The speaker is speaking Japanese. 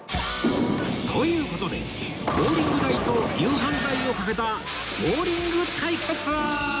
という事でボウリング代と夕飯代をかけたボウリング対決！